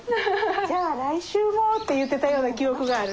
「じゃあ来週も」って言ってたような記憶がある。